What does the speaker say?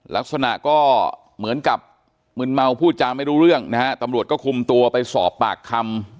ลักษณะก็เหมือนกับมึนเมาพูดจาไม่รู้เรื่องนะฮะตำรวจก็คุมตัวไปสอบปากคำ